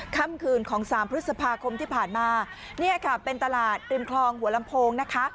ค่ำคืนของ๓พฤษภาคมที่ผ่านมาเป็นตลาดริมคลองหัวลำโพงนะค่ะ